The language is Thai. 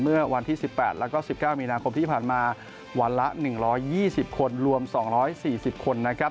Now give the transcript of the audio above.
มื้อวันที่๑๘และ๑๙มีนาคมที่ผ่านมาวันละ๑๒๐คนรวม๒๔๐คน